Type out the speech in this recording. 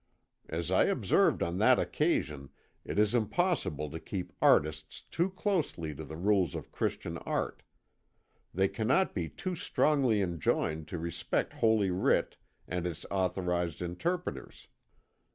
As I observed on that occasion, it is impossible to keep artists too closely to the rules of Christian art; they cannot be too strongly enjoined to respect Holy Writ and its authorized interpreters.